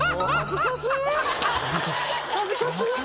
恥ずかしい。